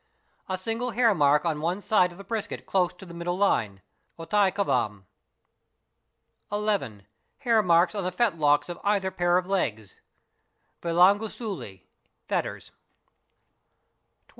A single hairmark on one side of the brisket close to the middle line, (ottai kavam). 11. Hairmarks on the fetlocks of either pair of legs, (vilangu suli—fetters). 12.